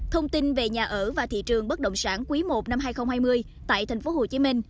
thông tin về nhà ở và thị trường bất động sản quý i năm hai nghìn hai mươi tại tp hcm